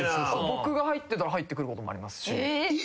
僕が入ってたら入ってくることもありますし。